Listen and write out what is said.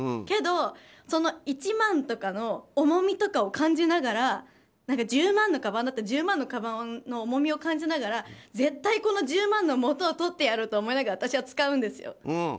けど、１万とかの重みを感じながら１０万のかばんだったら１０万のかばんの重みを感じながら絶対にこの１０万のもとを取ってやると思いながら私は使うんですよ。